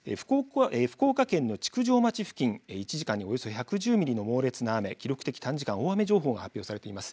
福岡県の築上町付近１時間におよそ１１０ミリの猛烈な雨記録的短時間大雨情報発表されています。